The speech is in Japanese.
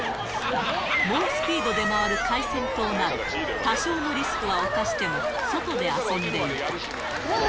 猛スピードで回る回線塔など、多少のリスクは冒しても、外で遊んでいた。